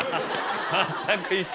全く一緒。